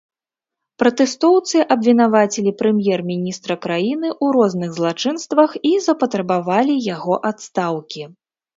Пратэстоўцы абвінавацілі прэм'ер-міністра краіны ў розных злачынствах і запатрабавалі яго адстаўкі.